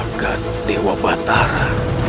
argad dewa batara